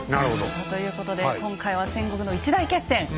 さあということで今回は戦国の一大決戦長篠の戦い。